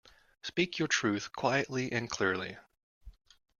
Speak your truth quietly and clearly